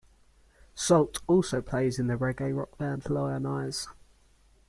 Sult also plays in the reggae rock band Lionize.